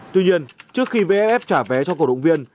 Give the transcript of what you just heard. tuy nhiên trước khi vff trả vé cho cổ động viên